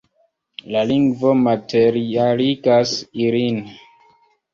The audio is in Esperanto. La lingvo materialigas ilin.